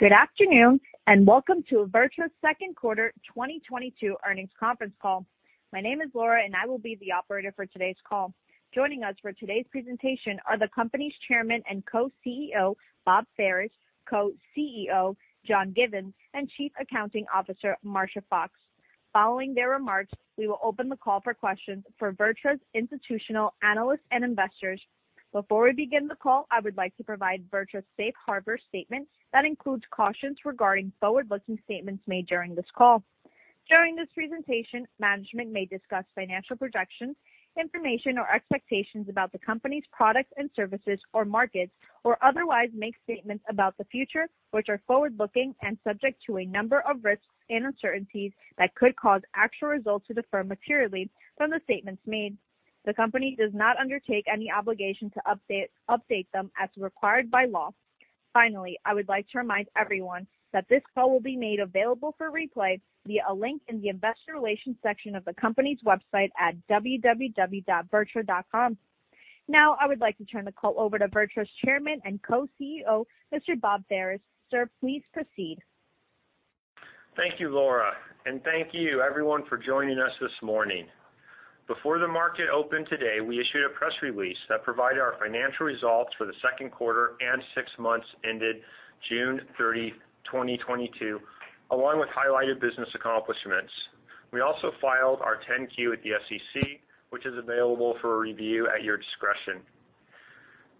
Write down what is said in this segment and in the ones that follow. Good afternoon, and welcome to VirTra's second quarter 2022 earnings conference call. My name is Laura, and I will be the operator for today's call. Joining us for today's presentation are the company's Chairman and Co-CEO Bob Ferris, Co-CEO John Givens, and Chief Accounting Officer Marsha Foxx. Following their remarks, we will open the call for questions for VirTra's institutional analysts and investors. Before we begin the call, I would like to provide VirTra's safe harbor statement that includes cautions regarding forward-looking statements made during this call. During this presentation, management may discuss financial projections, information, or expectations about the company's products and services or markets or otherwise make statements about the future, which are forward-looking and subject to a number of risks and uncertainties that could cause actual results to differ materially from the statements made. The company does not undertake any obligation to update them as required by law. Finally, I would like to remind everyone that this call will be made available for replay via a link in the investor relations section of the company's website at www.virtra.com. Now, I would like to turn the call over to VirTra's Chairman and co-CEO, Mr. Bob Ferris. Sir, please proceed. Thank you, Laura, and thank you everyone for joining us this morning. Before the market opened today, we issued a press release that provided our financial results for the second quarter and six months ended June 30, 2022, along with highlighted business accomplishments. We also filed our 10-Q at the SEC, which is available for review at your discretion.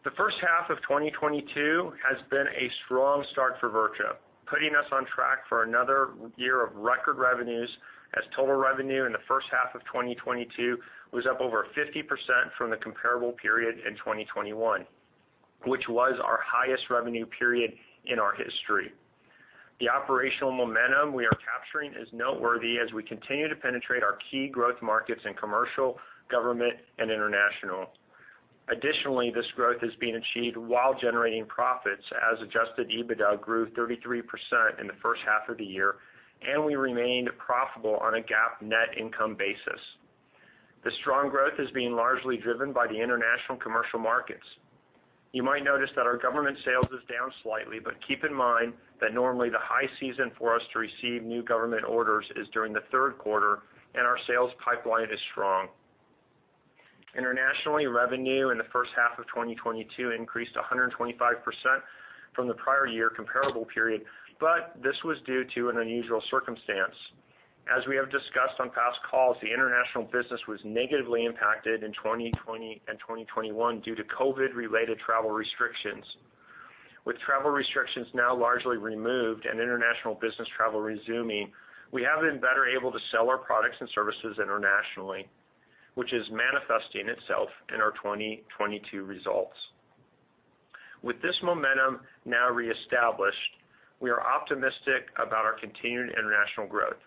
The first half of 2022 has been a strong start for VirTra, putting us on track for another year of record revenues as total revenue in the first half of 2022 was up over 50% from the comparable period in 2021, which was our highest revenue period in our history. The operational momentum we are capturing is noteworthy as we continue to penetrate our key growth markets in commercial, government, and international. Additionally, this growth is being achieved while generating profits as adjusted EBITDA grew 33% in the first half of the year, and we remained profitable on a GAAP net income basis. The strong growth is being largely driven by the international commercial markets. You might notice that our government sales is down slightly, but keep in mind that normally the high season for us to receive new government orders is during the third quarter, and our sales pipeline is strong. Internationally, revenue in the first half of 2022 increased 125% from the prior year comparable period, but this was due to an unusual circumstance. As we have discussed on past calls, the international business was negatively impacted in 2020 and 2021 due to COVID-related travel restrictions. With travel restrictions now largely removed and international business travel resuming, we have been better able to sell our products and services internationally, which is manifesting itself in our 2022 results. With this momentum now reestablished, we are optimistic about our continued international growth,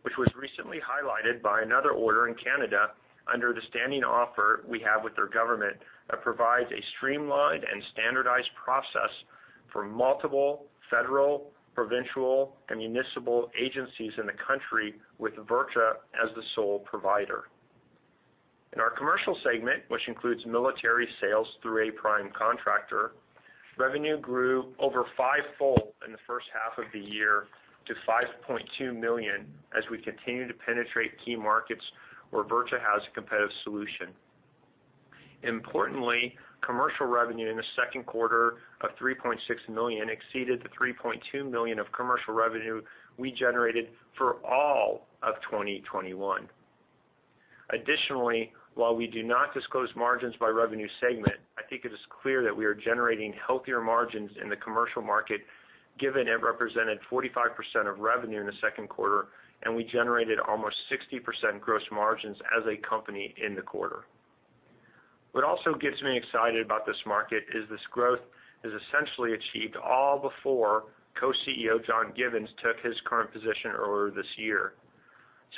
which was recently highlighted by another order in Canada under the standing offer we have with their government that provides a streamlined and standardized process for multiple federal, provincial, and municipal agencies in the country with VirTra as the sole provider. In our commercial segment, which includes military sales through a prime contractor, revenue grew over fivefold in the first half of the year to $5.2 million as we continue to penetrate key markets where VirTra has a competitive solution. Importantly, commercial revenue in the second quarter of $3.6 million exceeded the $3.2 million of commercial revenue we generated for all of 2021. Additionally, while we do not disclose margins by revenue segment, I think it is clear that we are generating healthier margins in the commercial market, given it represented 45% of revenue in the second quarter, and we generated almost 60% gross margins as a company in the quarter. What also gets me excited about this market is this growth is essentially achieved all before co-CEO John Givens took his current position earlier this year.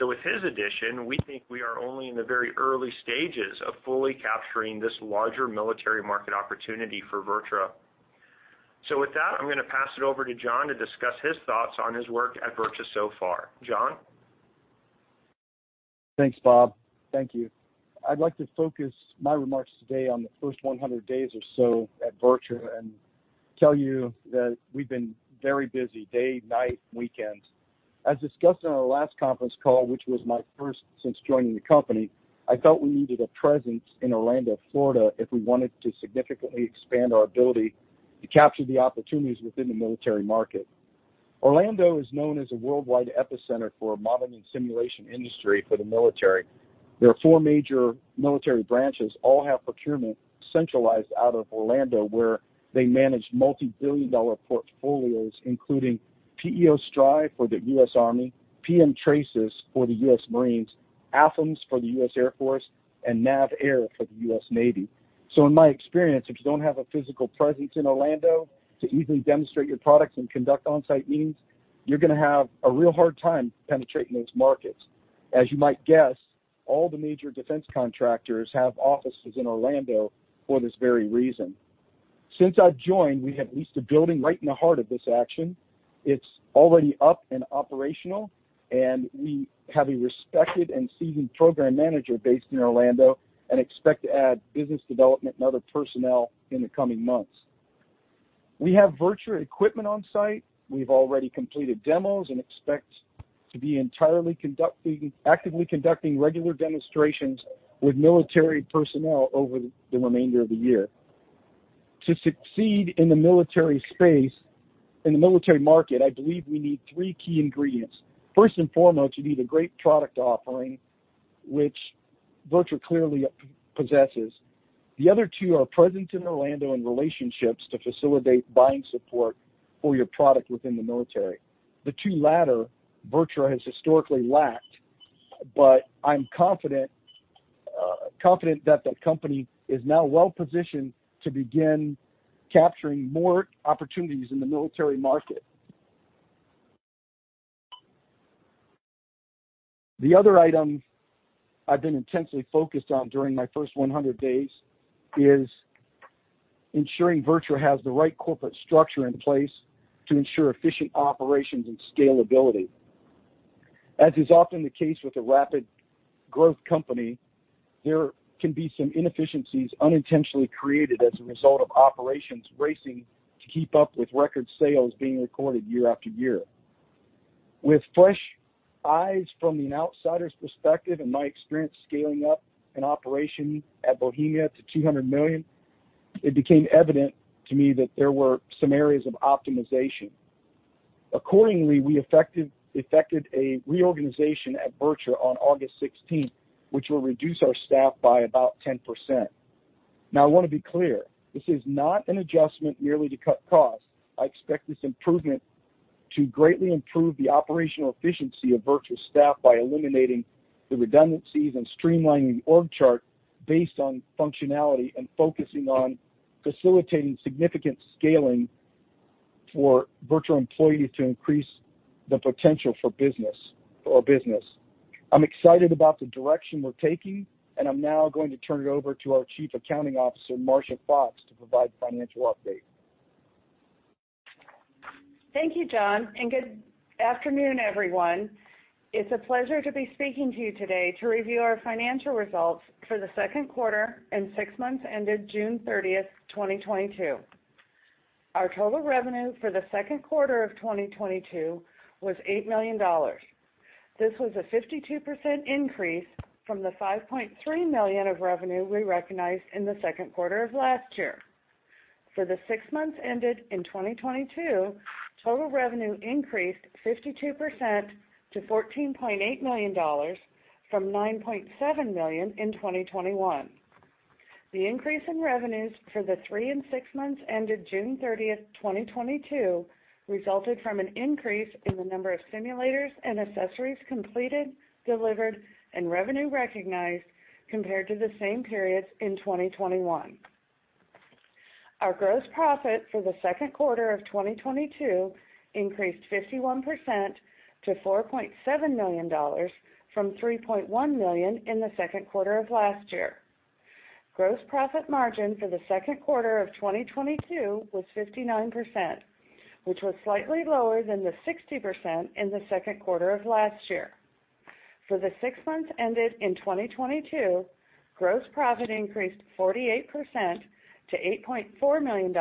With his addition, we think we are only in the very early stages of fully capturing this larger military market opportunity for VirTra. With that, I'm gonna pass it over to John to discuss his thoughts on his work at VirTra so far. John? Thanks, Bob. Thank you. I'd like to focus my remarks today on the first 100 days or so at VirTra and tell you that we've been very busy, day, night, weekends. As discussed on our last conference call, which was my first since joining the company, I felt we needed a presence in Orlando, Florida, if we wanted to significantly expand our ability to capture the opportunities within the military market. Orlando is known as a worldwide epicenter for modeling and simulation industry for the military. There are four major military branches, all have procurement centralized out of Orlando, where they manage multi-billion-dollar portfolios, including PEO STRI for the U.S. Army, PM TRASYS for the U.S. Marine Corps, AFAMS for the U.S. Air Force, and NAVAIR for the U.S. Navy. In my experience, if you don't have a physical presence in Orlando to easily demonstrate your products and conduct on-site meetings, you're gonna have a real hard time penetrating those markets. As you might guess, all the major defense contractors have offices in Orlando for this very reason. Since I've joined, we have leased a building right in the heart of this action. It's already up and operational, and we have a respected and seasoned program manager based in Orlando, and expect to add business development and other personnel in the coming months. We have VirTra equipment on site. We've already completed demos and expect to be actively conducting regular demonstrations with military personnel over the remainder of the year. To succeed in the military market, I believe we need three key ingredients. First and foremost, you need a great product offering, which VirTra clearly possesses. The other two are presence in Orlando and relationships to facilitate buying support for your product within the military. The two latter, VirTra has historically lacked, but I'm confident that the company is now well-positioned to begin capturing more opportunities in the military market. The other item I've been intensely focused on during my first 100 days is ensuring VirTra has the right corporate structure in place to ensure efficient operations and scalability. As is often the case with a rapid growth company, there can be some inefficiencies unintentionally created as a result of operations racing to keep up with record sales being recorded year after year. With fresh eyes from an outsider's perspective and my experience scaling up an operation at Bohemia to $200 million, it became evident to me that there were some areas of optimization. Accordingly, we effected a reorganization at VirTra on August 16, which will reduce our staff by about 10%. Now, I want to be clear, this is not an adjustment merely to cut costs. I expect this improvement to greatly improve the operational efficiency of VirTra's staff by eliminating the redundancies and streamlining the org chart based on functionality and focusing on facilitating significant scaling for VirTra employee to increase the potential for business for our business. I'm excited about the direction we're taking, and I'm now going to turn it over to our Chief Accounting Officer, Marsha Foxx, to provide financial update. Thank you, John, and good afternoon, everyone. It's a pleasure to be speaking to you today to review our financial results for the second quarter and six months ended June thirtieth, twenty twenty-two. Our total revenue for the second quarter of 2022 was $8 million. This was a 52% increase from the $5.3 million of revenue we recognized in the second quarter of last year. For the six months ended in 2022, total revenue increased 52% to $14.8 million from $9.7 million in 2021. The increase in revenues for the three and six months ended June thirtieth, 2022, resulted from an increase in the number of simulators and accessories completed, delivered, and revenue recognized compared to the same periods in 2021. Our gross profit for the second quarter of 2022 increased 51% to $4.7 million from $3.1 million in the second quarter of last year. Gross profit margin for the second quarter of 2022 was 59%, which was slightly lower than the 60% in the second quarter of last year. For the six months ended in 2022, gross profit increased 48% to $8.4 million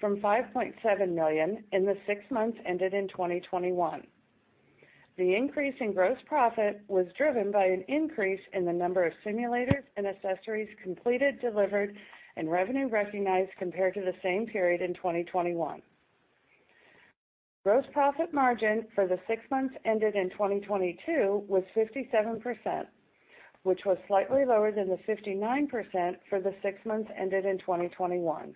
from $5.7 million in the six months ended in 2021. The increase in gross profit was driven by an increase in the number of simulators and accessories completed, delivered, and revenue recognized compared to the same period in 2021. Gross profit margin for the six months ended in 2022 was 57%, which was slightly lower than the 59% for the six months ended in 2021.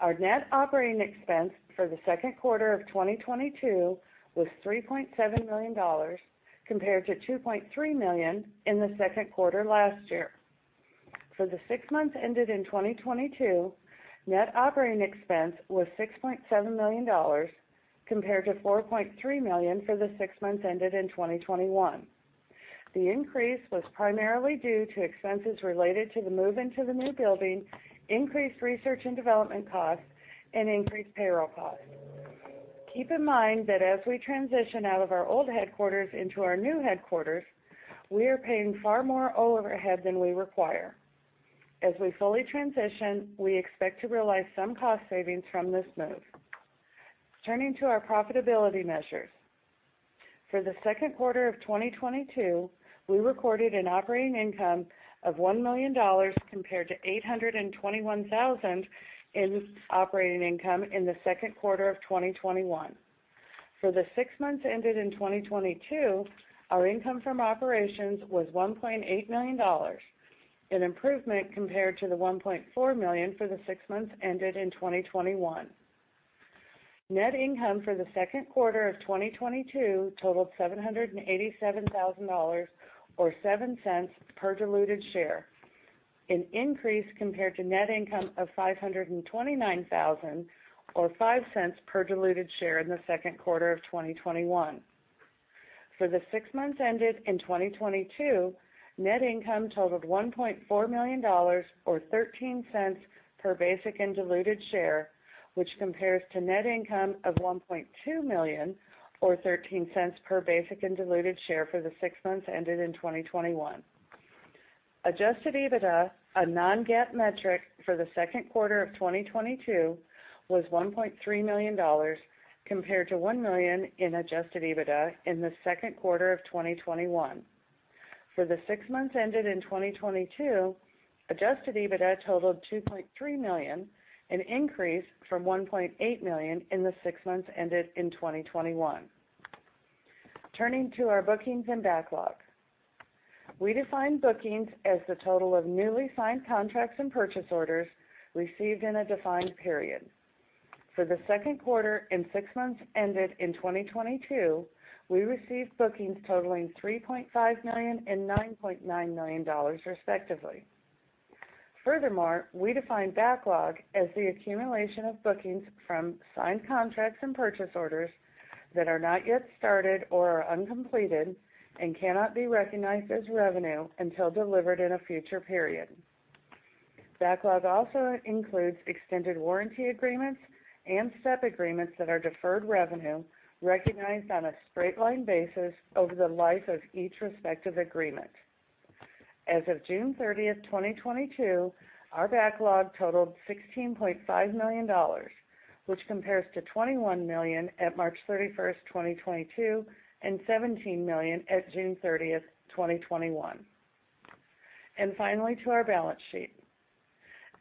Our net operating expense for the second quarter of 2022 was $3.7 million compared to $2.3 million in the second quarter last year. For the six months ended in 2022, net operating expense was $6.7 million compared to $4.3 million for the six months ended in 2021. The increase was primarily due to expenses related to the move into the new building, increased research and development costs, and increased payroll costs. Keep in mind that as we transition out of our old headquarters into our new headquarters, we are paying far more overhead than we require. As we fully transition, we expect to realize some cost savings from this move. Turning to our profitability measures. For the second quarter of 2022, we recorded an operating income of $1 million compared to $821,000 in operating income in the second quarter of 2021. For the six months ended in 2022, our income from operations was $1.8 million, an improvement compared to the $1.4 million for the six months ended in 2021. Net income for the second quarter of 2022 totaled $787,000 or $0.07 per diluted share, an increase compared to net income of $529,000 or $0.05 per diluted share in the second quarter of 2021. For the six months ended in 2022, net income totaled $1.4 million, or $0.13 per basic and diluted share, which compares to net income of $1.2 million or $0.13 per basic and diluted share for the six months ended in 2021. Adjusted EBITDA, a non-GAAP metric for the second quarter of 2022, was $1.3 million compared to $1 million in adjusted EBITDA in the second quarter of 2021. For the six months ended in 2022, adjusted EBITDA totaled $2.3 million, an increase from $1.8 million in the six months ended in 2021. Turning to our bookings and backlog. We define bookings as the total of newly signed contracts and purchase orders received in a defined period. For the second quarter and six months ended in 2022, we received bookings totaling $3.5 million and $9.9 million, respectively. Furthermore, we define backlog as the accumulation of bookings from signed contracts and purchase orders that are not yet started or are uncompleted and cannot be recognized as revenue until delivered in a future period. Backlog also includes extended warranty agreements and STEP agreements that are deferred revenue recognized on a straight line basis over the life of each respective agreement. As of June 30, 2022, our backlog totaled $16.5 million, which compares to $21 million at March 31, 2022, and $17 million at June 30, 2021. Finally, to our balance sheet.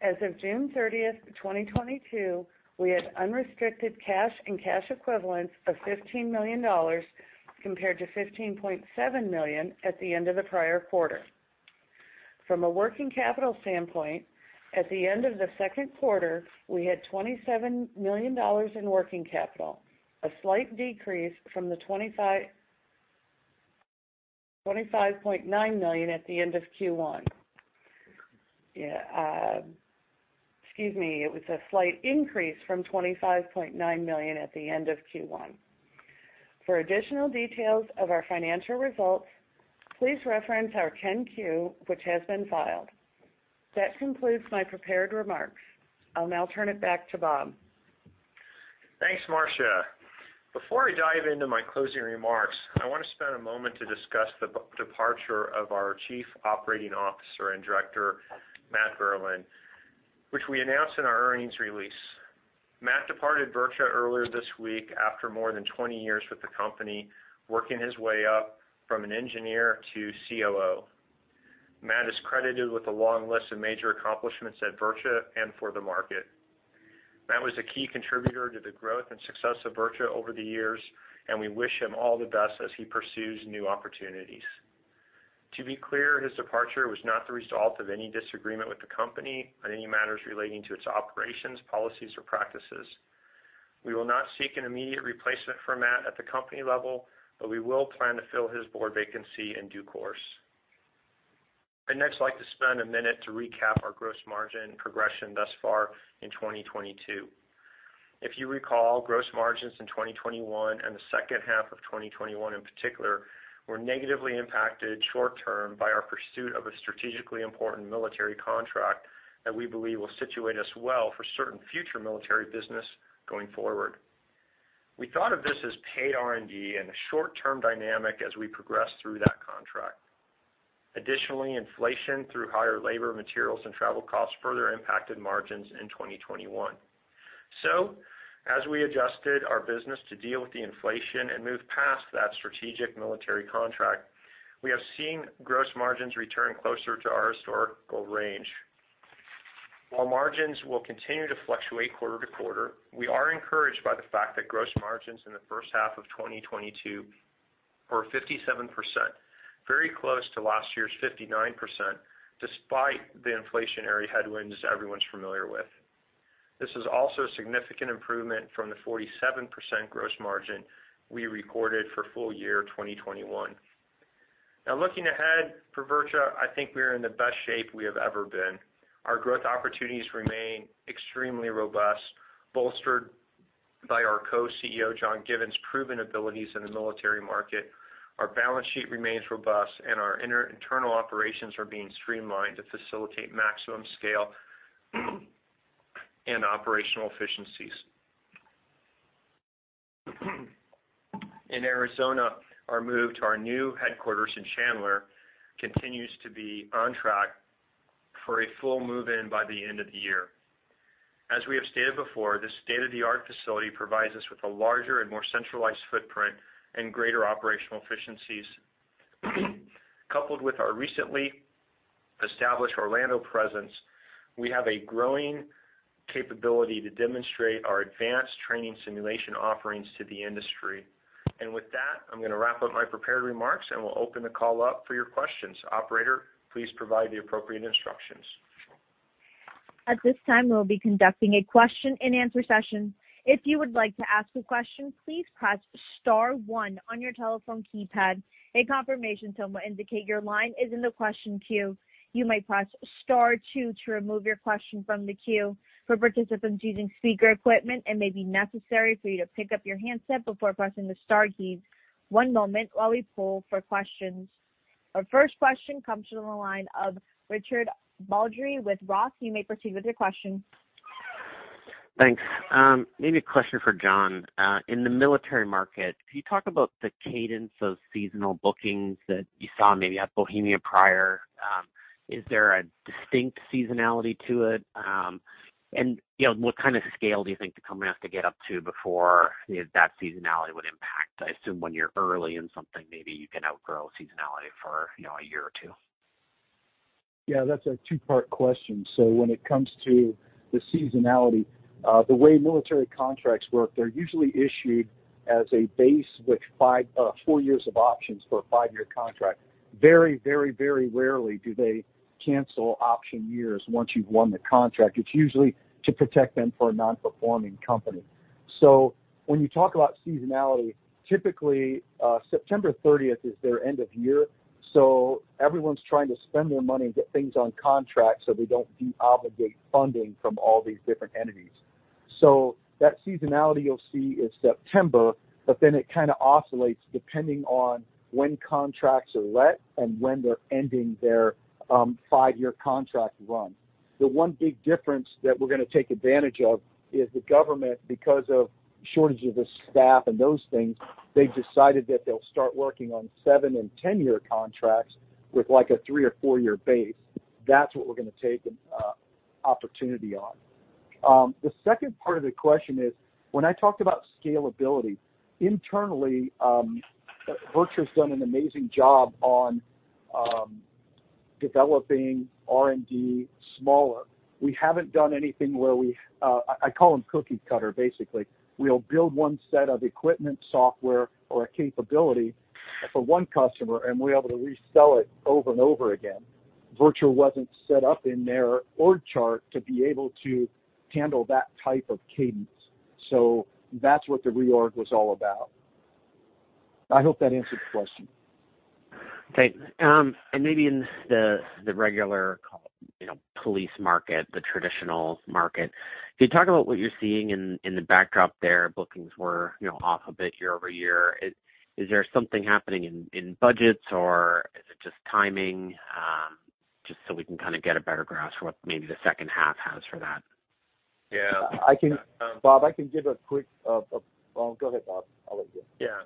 As of June 30, 2022, we had unrestricted cash and cash equivalents of $15 million compared to $15.7 million at the end of the prior quarter. From a working capital standpoint, at the end of the second quarter, we had $27 million in working capital, a slight decrease from the twenty-five point nine million at the end of Q1. Excuse me, it was a slight increase from 25.9 million at the end of Q1. For additional details of our financial results, please reference our 10-Q, which has been filed. That concludes my prepared remarks. I'll now turn it back to Bob. Thanks, Marsha. Before I dive into my closing remarks, I wanna spend a moment to discuss the departure of our chief operating officer and director, Matt Burlin, which we announced in our earnings release. Matt departed VirTra earlier this week after more than 20 years with the company, working his way up from an engineer to COO. Matt is credited with a long list of major accomplishments at VirTra and for the market. Matt was a key contributor to the growth and success of VirTra over the years, and we wish him all the best as he pursues new opportunities. To be clear, his departure was not the result of any disagreement with the company on any matters relating to its operations, policies or practices. We will not seek an immediate replacement for Matt at the company level, but we will plan to fill his board vacancy in due course. I'd next like to spend a minute to recap our gross margin progression thus far in 2022. If you recall, gross margins in 2021 and the second half of 2021 in particular, were negatively impacted short-term by our pursuit of a strategically important military contract that we believe will situate us well for certain future military business going forward. We thought of this as paid R&D and a short-term dynamic as we progress through that contract. Additionally, inflation through higher labor, materials, and travel costs further impacted margins in 2021. As we adjusted our business to deal with the inflation and move past that strategic military contract, we have seen gross margins return closer to our historical range. While margins will continue to fluctuate quarter to quarter, we are encouraged by the fact that gross margins in the first half of 2022 were 57%, very close to last year's 59% despite the inflationary headwinds everyone's familiar with. This is also a significant improvement from the 47% gross margin we recorded for full year 2021. Now, looking ahead for VirTra, I think we are in the best shape we have ever been. Our growth opportunities remain extremely robust, bolstered by our co-CEO, John Givens' proven abilities in the military market. Our balance sheet remains robust, and our internal operations are being streamlined to facilitate maximum scale and operational efficiencies. In Arizona, our move to our new headquarters in Chandler continues to be on track for a full move-in by the end of the year. As we have stated before, this state-of-the-art facility provides us with a larger and more centralized footprint and greater operational efficiencies. Coupled with our recently established Orlando presence, we have a growing capability to demonstrate our advanced training simulation offerings to the industry. With that, I'm gonna wrap up my prepared remarks, and we'll open the call up for your questions. Operator, please provide the appropriate instructions. At this time, we'll be conducting a question and answer session. If you would like to ask a question, please press star one on your telephone keypad. A confirmation tone will indicate your line is in the question queue. You may press star two to remove your question from the queue. For participants using speaker equipment, it may be necessary for you to pick up your handset before pressing the star key. One moment while we poll for questions. Our first question comes from the line of Richard Baldry with Roth. You may proceed with your question. Thanks. Maybe a question for John. In the military market, can you talk about the cadence of seasonal bookings that you saw maybe at Bohemia prior? Is there a distinct seasonality to it? You know, what kind of scale do you think the company has to get up to before that seasonality would impact? I assume when you're early in something, maybe you can outgrow seasonality for, you know, a year or two. Yeah, that's a two-part question. When it comes to the seasonality, the way military contracts work, they're usually issued as a base with four years of options for a five-year contract. Very rarely do they cancel option years once you've won the contract. It's usually to protect them for a non-performing company. When you talk about seasonality, typically, September thirtieth is their end of year, so everyone's trying to spend their money and get things on contract, so they don't deobligate funding from all these different entities. That seasonality you'll see is September, but then it kinda oscillates depending on when contracts are let and when they're ending their five-year contract run. The one big difference that we're gonna take advantage of is the government, because of shortage of the staff and those things, they've decided that they'll start working on seven and 10 year contracts with, like, a three or four year base. That's what we're gonna take an opportunity on. The second part of the question is, when I talked about scalability, internally, VirTra's done an amazing job on developing R&D smaller. We haven't done anything where we I call them cookie cutter, basically. We'll build one set of equipment, software, or a capability for one customer, and we're able to resell it over and over again. VirTra wasn't set up in their org chart to be able to handle that type of cadence. That's what the reorg was all about. I hope that answered the question. Thanks. Maybe in the regular, you know, police market, the traditional market, can you talk about what you're seeing in the backdrop there? Bookings were, you know, off a bit year-over-year. Is there something happening in budgets, or is it just timing? Just so we can kinda get a better grasp for what maybe the second half has for that. Yeah. Bob, I can give a quick. Oh, go ahead, Bob. I'll let you. Yeah.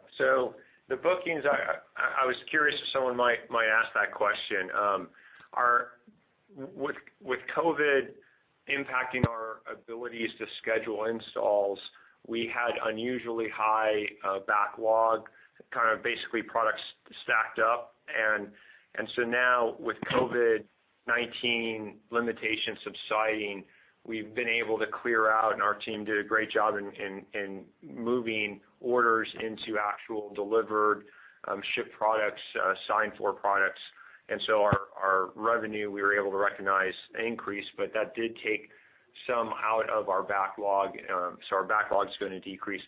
The bookings, I was curious if someone might ask that question. With COVID impacting our abilities to schedule installs, we had unusually high backlog, kind of basically products stacked up. Now with COVID-19 limitations subsiding, we've been able to clear out, and our team did a great job in moving orders into actual delivered shipped products signed for products. Our revenue, we were able to recognize an increase, but that did take some out of our backlog. Our backlog's gonna decrease.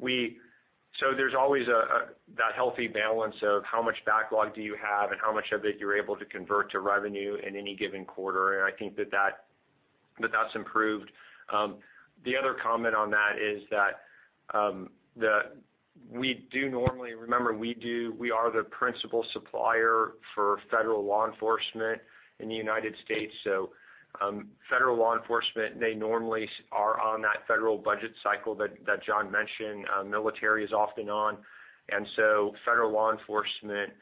There's always a healthy balance of how much backlog do you have and how much of it you're able to convert to revenue in any given quarter. I think that's improved. The other comment on that is that we are the principal supplier for federal law enforcement in the United States. Federal law enforcement, they normally are on that federal budget cycle that John mentioned. Military is off and on. Federal law enforcement,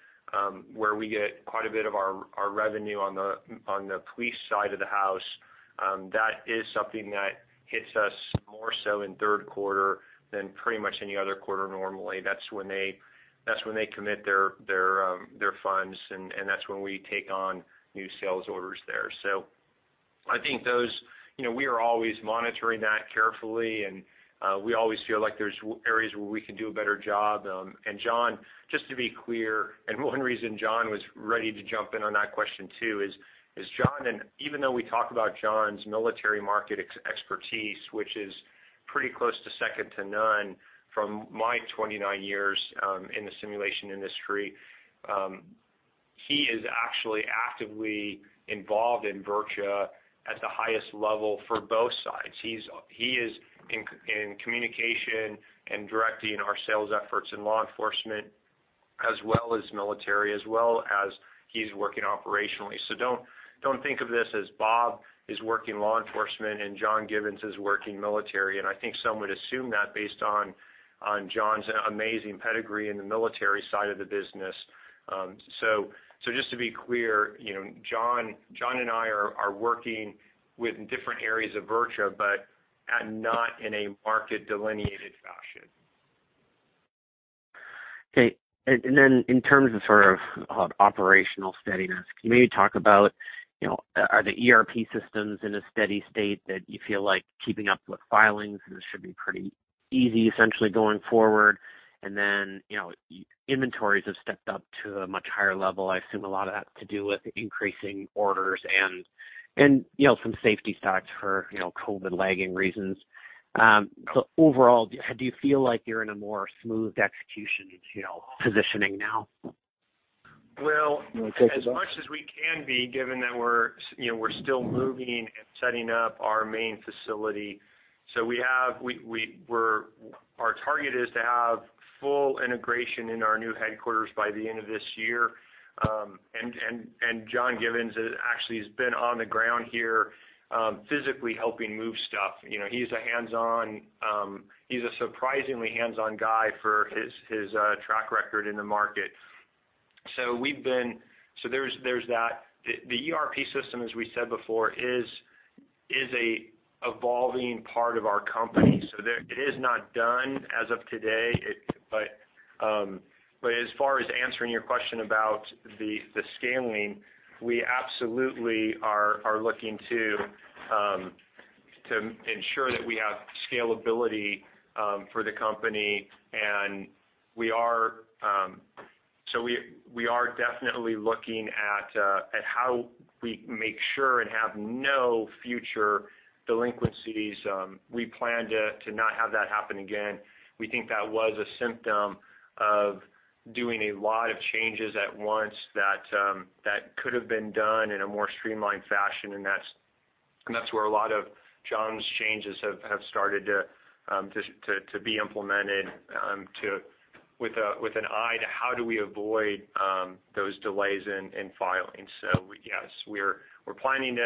where we get quite a bit of our revenue on the police side of the house, that is something that hits us more so in third quarter than pretty much any other quarter normally. That's when they commit their funds, and that's when we take on new sales orders there. I think those, you know, we are always monitoring that carefully, and we always feel like there's areas where we can do a better job. John, just to be clear, one reason John was ready to jump in on that question too is John and even though we talk about John's military market expertise, which is pretty close to second to none from my 29 years in the simulation industry, he is actually actively involved in VirTra at the highest level for both sides. He is in communication and directing our sales efforts in law enforcement as well as military, as well as he is working operationally. Don't think of this as Bob is working law enforcement and John Givens is working military. I think some would assume that based on John's amazing pedigree in the military side of the business. Just to be clear, you know, John and I are working with different areas of VirTra, and not in a market delineated fashion. In terms of sort of operational steadiness, can you maybe talk about, you know, are the ERP systems in a steady state that you feel like keeping up with filings, and it should be pretty easy essentially going forward? Then, you know, inventories have stepped up to a much higher level. I assume a lot of that's to do with increasing orders and, you know, some safety stocks for, you know, COVID lagging reasons. So overall, do you feel like you're in a more smoothed execution, you know, positioning now? Well, as much as we can be, given that we're, you know, still moving and setting up our main facility. Our target is to have full integration in our new headquarters by the end of this year. John Givens actually has been on the ground here, physically helping move stuff. You know, he's a surprisingly hands-on guy for his track record in the market. There's that. The ERP system, as we said before, is an evolving part of our company. There it is not done as of today. As far as answering your question about the scaling, we absolutely are looking to ensure that we have scalability for the company, and we are... We are definitely looking at how we make sure and have no future delinquencies. We plan to not have that happen again. We think that was a symptom of doing a lot of changes at once that could have been done in a more streamlined fashion, and that's where a lot of John's changes have started to be implemented with an eye to how do we avoid those delays in filing. Yes, we're planning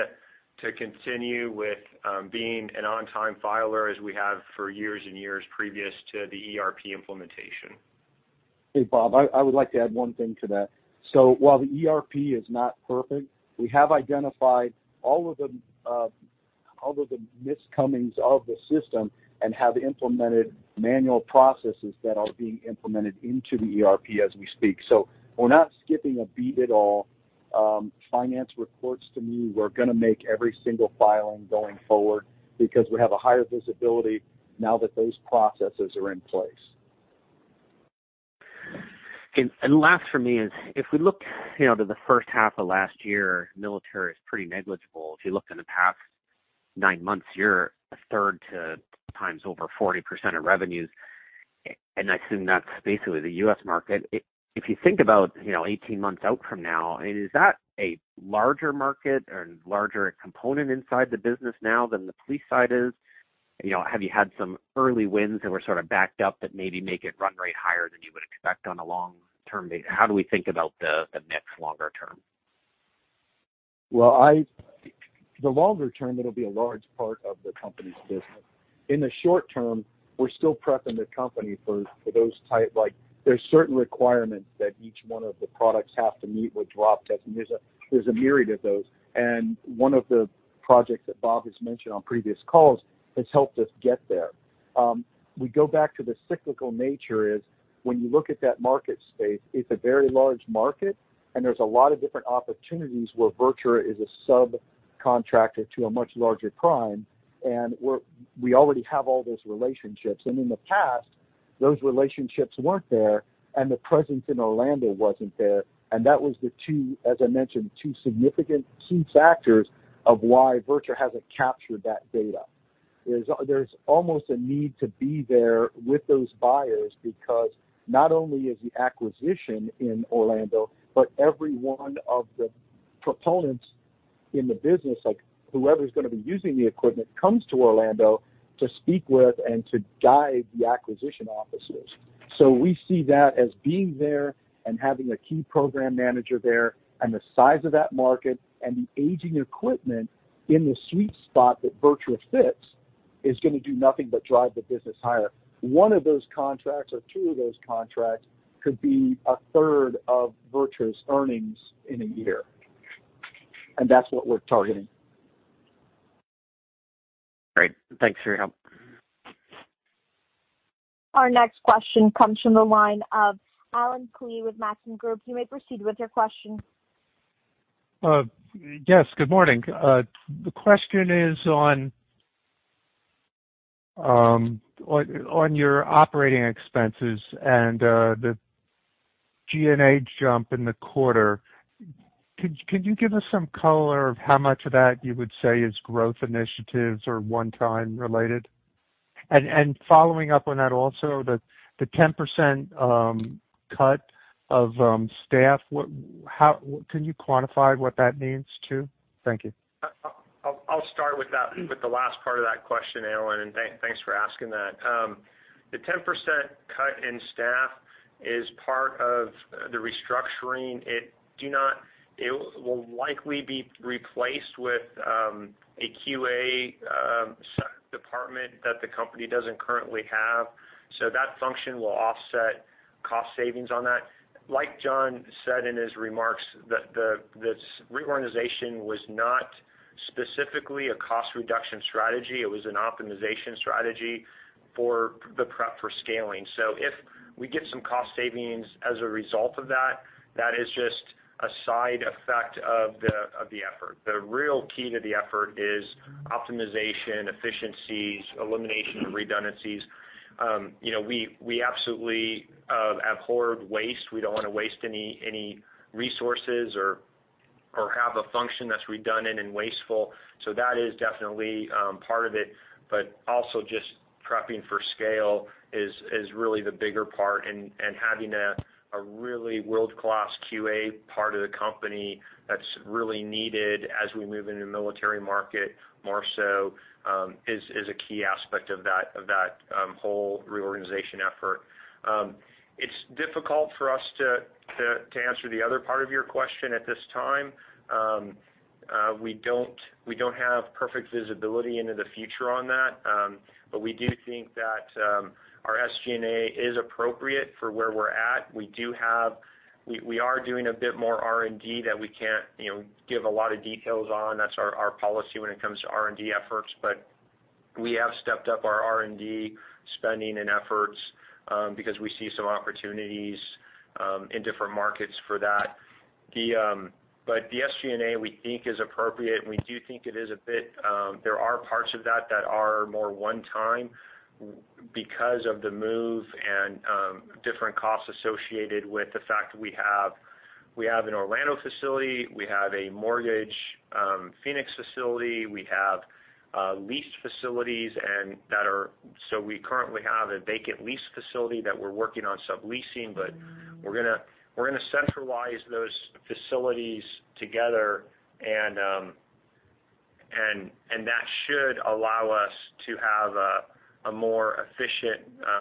to continue with being an on-time filer, as we have for years and years previous to the ERP implementation. Hey, Bob, I would like to add one thing to that. While the ERP is not perfect, we have identified all of the shortcomings of the system and have implemented manual processes that are being implemented into the ERP as we speak. We're not skipping a beat at all. Finance reports to me. We're gonna make every single filing going forward because we have a higher visibility now that those processes are in place. Okay. Last for me is, if we look, you know, to the first half of last year, military is pretty negligible. If you look in the past nine months, you're 1/3 to 2x over 40% of revenues. I assume that's basically the U.S. market. If you think about, you know, 18 months out from now, is that a larger market or larger component inside the business now than the police side is? You know, have you had some early wins that were sort of backed up that maybe make it run rate higher than you would expect on a long-term basis? How do we think about the mix longer term? The longer term, it'll be a large part of the company's business. In the short term, we're still prepping the company for those type. Like, there's certain requirements that each one of the products have to meet with drop tests, and there's a myriad of those. One of the projects that Bob has mentioned on previous calls has helped us get there. We go back to the cyclical nature is when you look at that market space, it's a very large market, and there's a lot of different opportunities where VirTra is a subcontractor to a much larger prime, and we already have all those relationships. In the past, those relationships weren't there, and the presence in Orlando wasn't there. That was the two, as I mentioned, two significant key factors of why VirTra hasn't captured that data. There's almost a need to be there with those buyers because not only is the acquisition in Orlando, but every one of the proponents in the business, like whoever's gonna be using the equipment, comes to Orlando to speak with and to guide the acquisition officers. We see that as being there and having a key program manager there and the size of that market and the aging equipment in the sweet spot that VirTra fits is gonna do nothing but drive the business higher. One of those contracts or two of those contracts could be a third of VirTra's earnings in a year, and that's what we're targeting. Great. Thanks for your help. Our next question comes from the line of Allen Klee with Maxim Group. You may proceed with your question. Yes, good morning. The question is on your operating expenses and the G&A jump in the quarter. Could you give us some color on how much of that you would say is growth initiatives or one-time related? Following up on that also, the 10% cut in staff, how can you quantify what that means, too? Thank you. I'll start with that, with the last part of that question, Allen, and thanks for asking that. The 10% cut in staff is part of the restructuring. It will likely be replaced with a QA department that the company doesn't currently have. So that function will offset cost savings on that. Like John said in his remarks, this reorganization was not specifically a cost reduction strategy. It was an optimization strategy for the prep for scaling. So if we get some cost savings as a result of that is just a side effect of the effort. The real key to the effort is optimization, efficiencies, elimination of redundancies. You know, we absolutely abhor waste. We don't wanna waste any resources or Have a function that's redundant and wasteful. That is definitely part of it. Also just prepping for scale is really the bigger part, and having a really world-class QA part of the company that's really needed as we move into the military market more so, is a key aspect of that, whole reorganization effort. It's difficult for us to answer the other part of your question at this time. We don't have perfect visibility into the future on that. We do think that our SG&A is appropriate for where we're at. We are doing a bit more R&D that we can't, you know, give a lot of details on. That's our policy when it comes to R&D efforts. We have stepped up our R&D spending and efforts, because we see some opportunities in different markets for that. The SG&A we think is appropriate, and we do think it is a bit. There are parts of that that are more one-time because of the move and different costs associated with the fact that we have an Orlando facility, we have a mortgage Phoenix facility, we have leased facilities. We currently have a vacant lease facility that we're working on subleasing, but we're gonna centralize those facilities together and that should allow us to have a more efficient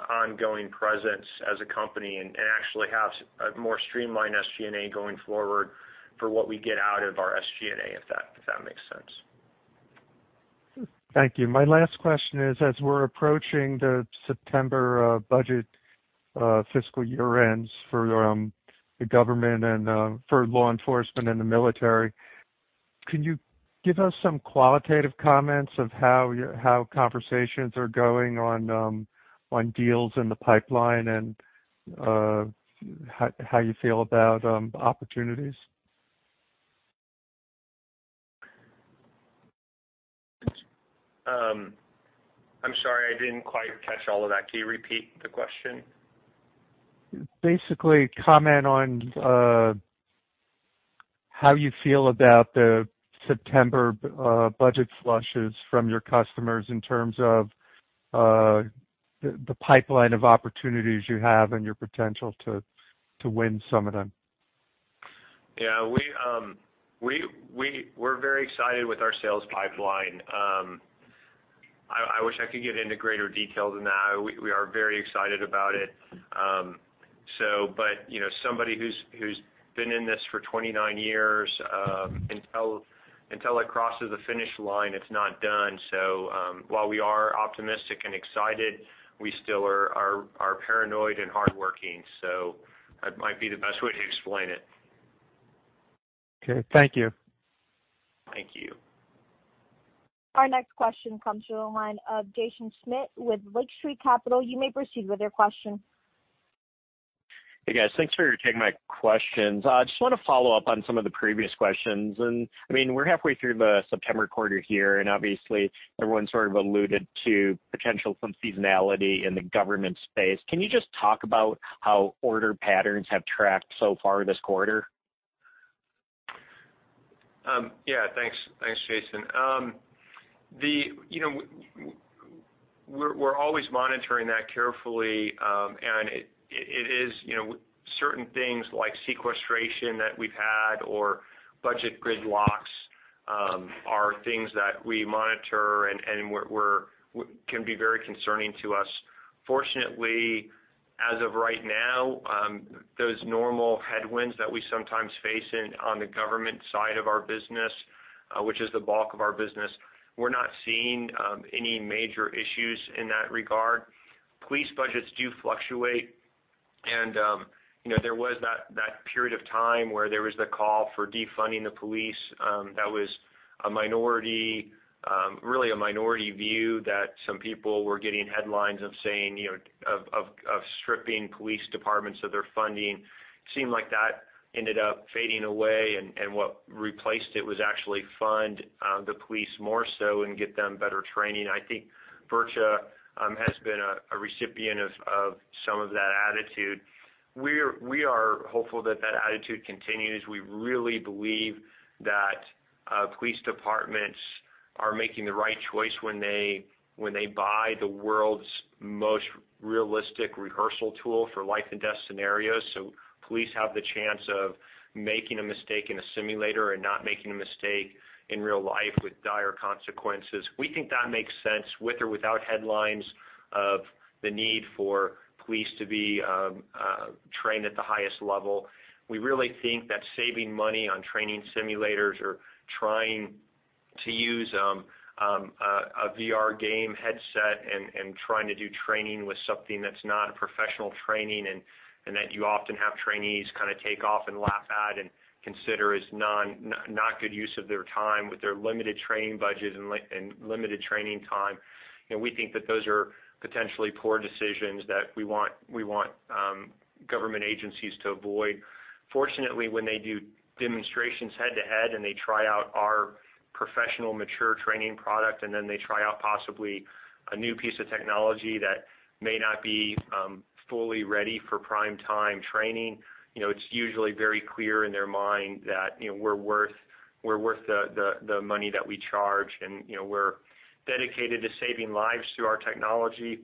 ongoing presence as a company and actually have a more streamlined SG&A going forward for what we get out of our SG&A, if that makes sense. Thank you. My last question is, as we're approaching the September budget fiscal year-ends for the government and for law enforcement and the military, can you give us some qualitative comments of how conversations are going on deals in the pipeline and how you feel about opportunities? I'm sorry, I didn't quite catch all of that. Can you repeat the question? Basically, comment on how you feel about the September budget flushes from your customers in terms of the pipeline of opportunities you have and your potential to win some of them. Yeah. We're very excited with our sales pipeline. I wish I could get into greater detail than that. We are very excited about it. You know, somebody who's been in this for 29 years, until it crosses the finish line, it's not done. While we are optimistic and excited, we still are paranoid and hardworking. That might be the best way to explain it. Okay. Thank you. Thank you. Our next question comes through the line of Jaeson Schmidt with Lake Street Capital. You may proceed with your question. Hey, guys. Thanks for taking my questions. I just wanna follow up on some of the previous questions. I mean, we're halfway through the September quarter here, and obviously, everyone sort of alluded to potential some seasonality in the government space. Can you just talk about how order patterns have tracked so far this quarter? Yeah. Thanks, Jaeson. You know, we're always monitoring that carefully, and it is, you know, certain things like sequestration that we've had or budget gridlocks are things that we monitor and we can be very concerning to us. Fortunately, as of right now, those normal headwinds that we sometimes face on the government side of our business, which is the bulk of our business, we're not seeing any major issues in that regard. Police budgets do fluctuate and, you know, there was that period of time where there was the call for defunding the police, that was a minority, really a minority view that some people were getting headlines of saying, you know, of stripping police departments of their funding. Seemed like that ended up fading away, and what replaced it was actually fund the police more so and get them better training. I think VirTra has been a recipient of some of that attitude. We are hopeful that attitude continues. We really believe that police departments are making the right choice when they buy the world's most realistic rehearsal tool for life and death scenarios. Police have the chance of making a mistake in a simulator and not making a mistake in real life with dire consequences. We think that makes sense with or without headlines of the need for police to be trained at the highest level. We really think that saving money on training simulators or trying to use a VR game headset and trying to do training with something that's not a professional training and that you often have trainees kinda take off and laugh at and consider is not good use of their time with their limited training budget and limited training time. You know, we think that those are potentially poor decisions that we want government agencies to avoid. Fortunately, when they do demonstrations head-to-head, and they try out our professional, mature training product, and then they try out possibly a new piece of technology that may not be fully ready for prime time training. You know, it's usually very clear in their mind that, you know, we're worth the money that we charge and, you know, we're dedicated to saving lives through our technology.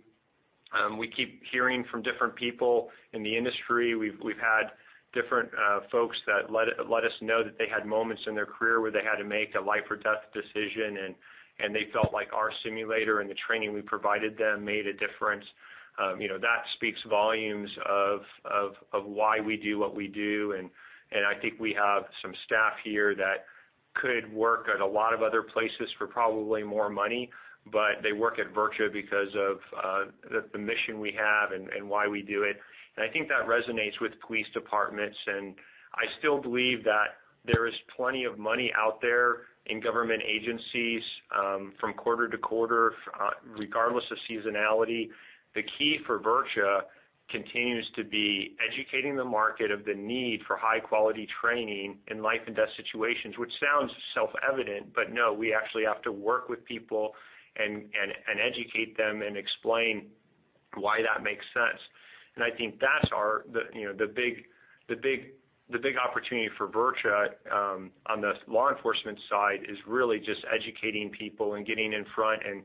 We keep hearing from different people in the industry. We've had different folks that let us know that they had moments in their career where they had to make a life or death decision, and they felt like our simulator and the training we provided them made a difference. You know, that speaks volumes of why we do what we do. I think we have some staff here that could work at a lot of other places for probably more money, but they work at VirTra because of the mission we have and why we do it. I think that resonates with police departments. I still believe that there is plenty of money out there in government agencies, from quarter to quarter, regardless of seasonality. The key for VirTra continues to be educating the market of the need for high quality training in life and death situations, which sounds self-evident, but no, we actually have to work with people and educate them and explain why that makes sense. I think that's our. You know, the big opportunity for VirTra on the law enforcement side is really just educating people and getting in front and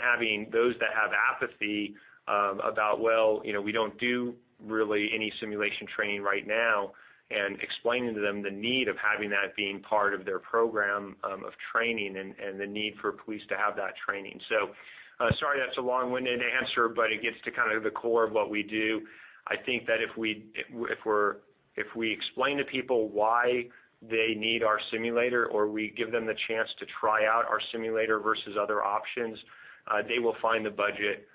having those that have apathy about well, you know, we don't do really any simulation training right now, and explaining to them the need of having that being part of their program of training and the need for police to have that training. Sorry, that's a long-winded answer, but it gets to kind of the core of what we do. I think that if we explain to people why they need our simulator or we give them the chance to try out our simulator versus other options, they will find the budget.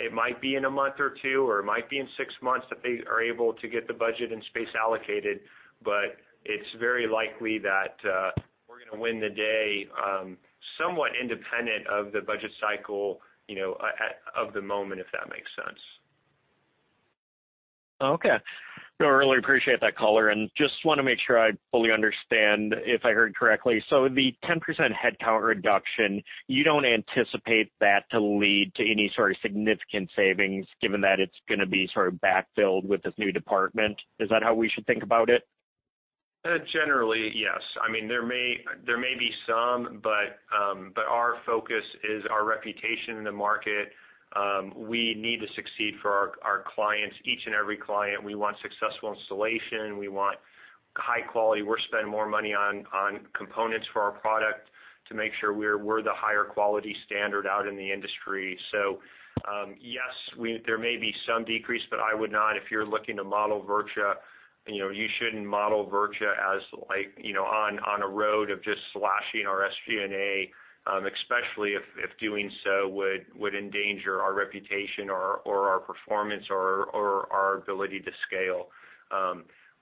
It might be in a month or two, or it might be in six months that they are able to get the budget and space allocated, but it's very likely that we're gonna win the day, somewhat independent of the budget cycle, you know, at the moment, if that makes sense. Okay. No, I really appreciate that color. Just wanna make sure I fully understand if I heard correctly. The 10% headcount reduction, you don't anticipate that to lead to any sort of significant savings given that it's gonna be sort of backfilled with this new department? Is that how we should think about it? Generally, yes. I mean, there may be some, but our focus is our reputation in the market. We need to succeed for our clients, each and every client. We want successful installation. We want high quality. We're spending more money on components for our product to make sure we're the higher quality standard out in the industry. So, yes, there may be some decrease, but I would not. If you're looking to model VirTra, you know, you shouldn't model VirTra as, like, you know, on a road of just slashing our SG&A, especially if doing so would endanger our reputation or our performance or our ability to scale.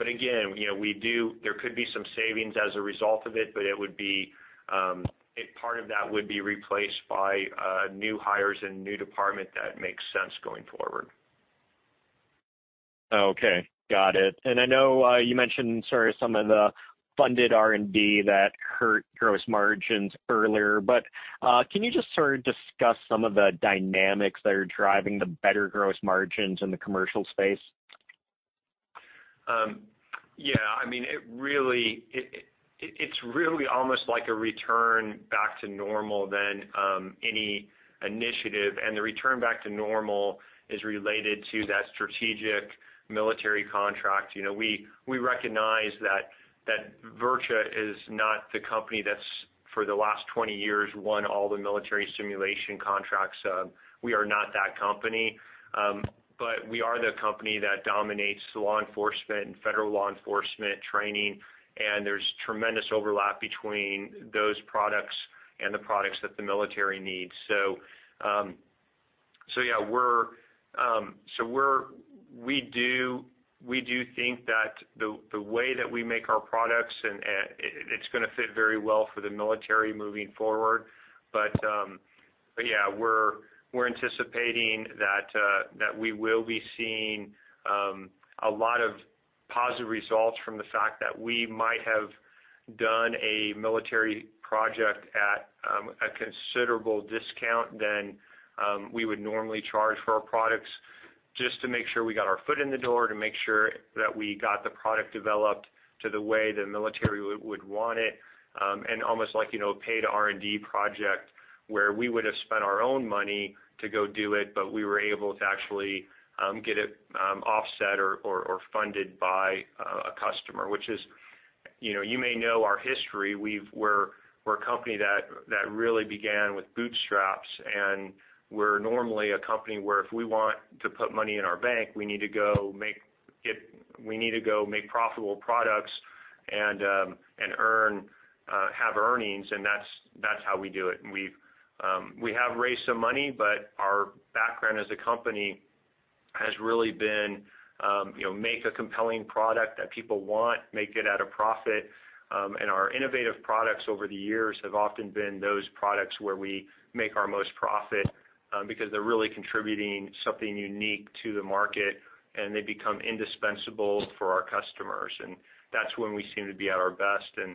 Again, you know, there could be some savings as a result of it, but it would be a part of that would be replaced by new hires and new department that makes sense going forward. Okay, got it. I know, you mentioned sort of some of the funded R&D that hurt gross margins earlier, but, can you just sort of discuss some of the dynamics that are driving the better gross margins in the commercial space? Yeah, I mean, it's really almost like a return back to normal rather than any initiative. The return back to normal is related to that strategic military contract. You know, we recognize that VirTra is not the company that's for the last 20 years won all the military simulation contracts. We are not that company. We are the company that dominates law enforcement and federal law enforcement training, and there's tremendous overlap between those products and the products that the military needs. We do think that the way that we make our products and it's gonna fit very well for the military moving forward. Yeah, we're anticipating that we will be seeing a lot of positive results from the fact that we might have done a military project at a considerable discount than we would normally charge for our products. Just to make sure we got our foot in the door, to make sure that we got the product developed to the way the military would want it. Almost like, you know, a paid R&D project where we would have spent our own money to go do it, but we were able to actually get it offset or funded by a customer, which is, you know, you may know our history. We're a company that really began with bootstraps, and we're normally a company where if we want to put money in our bank, we need to go make profitable products and earn, have earnings, and that's how we do it. We have raised some money, but our background as a company has really been, you know, make a compelling product that people want, make it at a profit. Our innovative products over the years have often been those products where we make our most profit because they're really contributing something unique to the market, and they become indispensable for our customers. That's when we seem to be at our best, and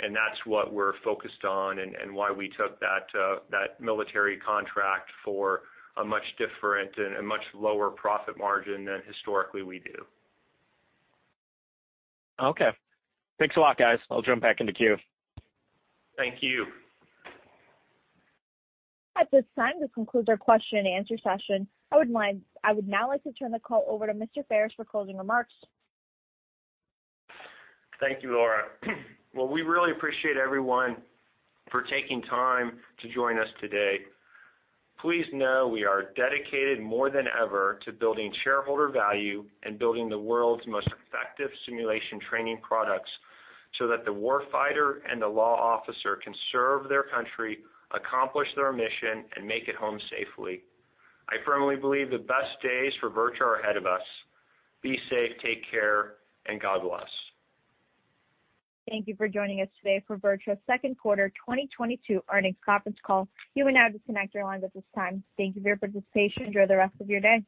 that's what we're focused on and why we took that military contract for a much different and a much lower profit margin than historically we do. Okay. Thanks a lot, guys. I'll jump back in the queue. Thank you. At this time, this concludes our question and answer session. I would now like to turn the call over to Mr. Ferris for closing remarks. Thank you, Laura. Well, we really appreciate everyone for taking time to join us today. Please know we are dedicated more than ever to building shareholder value and building the world's most effective simulation training products so that the war fighter and the law officer can serve their country, accomplish their mission and make it home safely. I firmly believe the best days for VirTra are ahead of us. Be safe, take care, and God bless. Thank you for joining us today for VirTra's second quarter 2022 earnings conference call. You may now disconnect your lines at this time. Thank you for your participation. Enjoy the rest of your day.